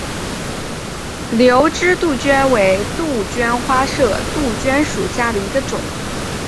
瘤枝杜鹃为杜鹃花科杜鹃属下的一个种。